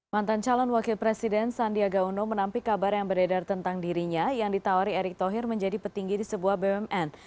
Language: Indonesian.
mantan calon wakil presiden sandiaga uno menampik kabar yang beredar tentang dirinya yang ditawari erick thohir menjadi petinggi di sebuah bumn